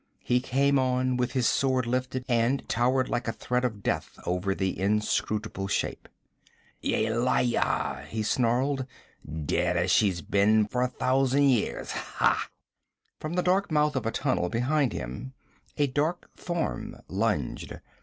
He came on with his sword lifted, and towered like a threat of death over the inscrutable shape. 'Yelaya!' he snarled. 'Dead as she's been for a thousand years! Ha!' From the dark mouth of a tunnel behind him a dark form lunged.